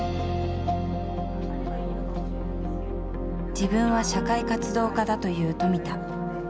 「自分は社会活動家だ」と言う富田。